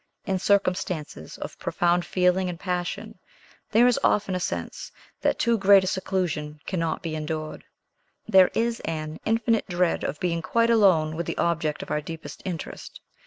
In circumstances of profound feeling and passion, there is often a sense that too great a seclusion cannot be endured; there is an indefinite dread of being quite alone with the object of our deepest interest.